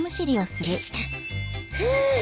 フゥ。